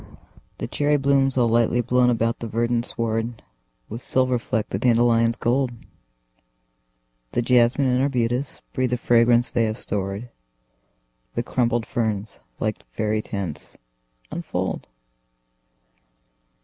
The cherry blooms, all lightly blown about the verdant sward, With silver fleck the dandelion's gold; The jasmine and arbutus breathe the fragrance they have stored; The crumpled ferns, like faery tents, unfold.